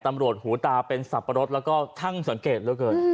ตำรวจหูตาเป็นสับปะรดแล้วก็ทั่งสังเกตแล้วกัน